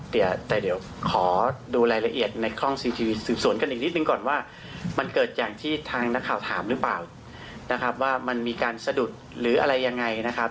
แต่เดี๋ยวขอดูรายละเอียดในกล้องซีทีวีสืบสวนกันอีกนิดนึงก่อนว่ามันเกิดอย่างที่ทางนักข่าวถามหรือเปล่านะครับว่ามันมีการสะดุดหรืออะไรยังไงนะครับ